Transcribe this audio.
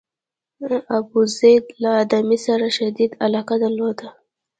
ابوزید له ادامې سره شدیده علاقه درلوده.